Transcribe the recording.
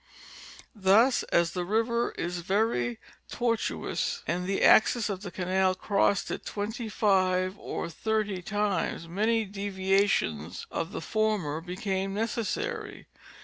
Thus, as the river is veiy tor tuous and the axis of the canal crossed it twenty five or thirty times, many deviations of the former became necessary.